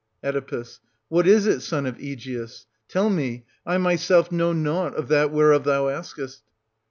Oe. What is it, son of Aegeus ? Tell me ;— I my self know nought of that whereof thou askest.